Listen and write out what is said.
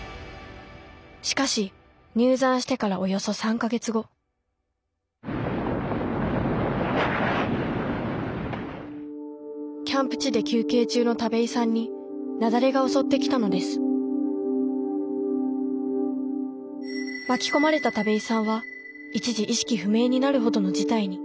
しかし入山してからおよそ３か月後キャンプ地で休憩中の田部井さんに雪崩が襲ってきたのです巻き込まれた田部井さんは一時意識不明になるほどの事態に。